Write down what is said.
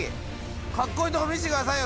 カッコいいところ見せてくださいよ